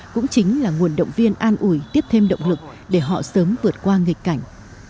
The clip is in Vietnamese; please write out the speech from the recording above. cũng chính là nguồn động viên an ủi tiếp thêm động lực để họ sớm vượt qua nghịch cảnh